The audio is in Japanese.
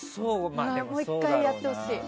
もう１回やってほしい。